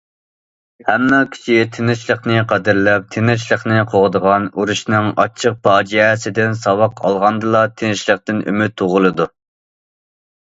ھەممە كىشى تىنچلىقنى قەدىرلەپ، تىنچلىقنى قوغدىغان، ئۇرۇشنىڭ ئاچچىق پاجىئەسىدىن ساۋاق ئالغاندىلا، تىنچلىقتىن ئۈمىد تۇغۇلىدۇ.